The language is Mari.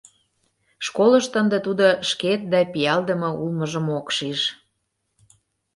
Школышто ынде тудо шкет да пиалдыме улмыжым ок шиж.